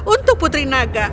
untuk putri naga